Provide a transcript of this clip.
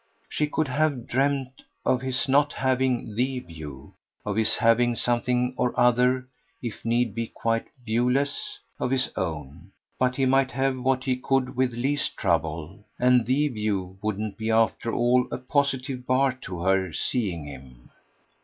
She could have dreamed of his not having THE view, of his having something or other, if need be quite viewless, of his own; but he might have what he could with least trouble, and THE view wouldn't be after all a positive bar to her seeing him.